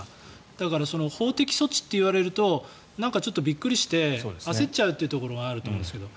だから、法的措置といわれるとなんかちょっとびっくりして焦っちゃうというところがあると思うんですけど。